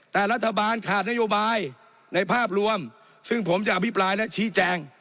แต่รัฐบาลขาดนโยบายในภาพรวมซึ่งผมจะอภิปรายและชี้แจง